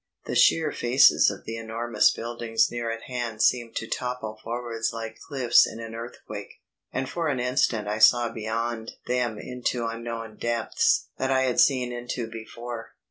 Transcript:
The sheer faces of the enormous buildings near at hand seemed to topple forwards like cliffs in an earthquake, and for an instant I saw beyond them into unknown depths that I had seen into before.